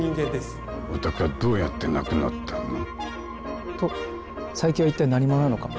お宅はどうやって亡くなったの？と佐伯は一体何者なのか。